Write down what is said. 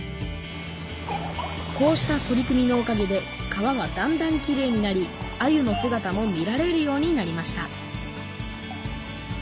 こうした取り組みのおかげで川はだんだんきれいになりあゆのすがたも見られるようになりました